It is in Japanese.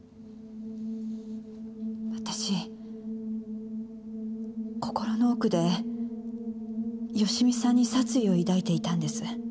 私心の奥で芳美さんに殺意を抱いていたんです。